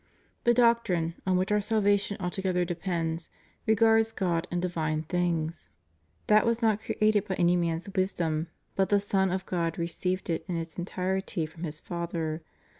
The doctrine, on which our salvation altogether depends, regards God and divine things. That was not created by any man's wisdom, but the Son of God received it in its entirety from His Father.